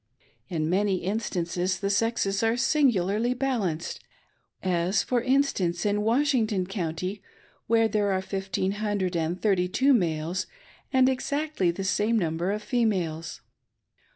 In many instances the sexes are singularly balanced ; as, for instance, in Washington County, where there are fifteen hundred and thirty two males and exactly the same number of females.